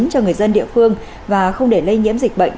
cho người dân địa phương và không để lây nhiễm dịch bệnh